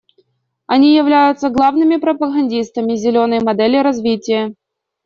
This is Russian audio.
Они являются главными пропагандистами «зеленой» модели развития.